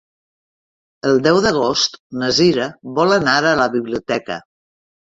El deu d'agost na Cira vol anar a la biblioteca.